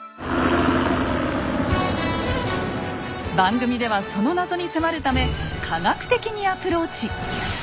番組ではその謎に迫るため科学的にアプローチ！